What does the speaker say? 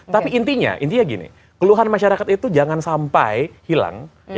tapi intinya intinya gini keluhan masyarakat itu jangan sampai hilang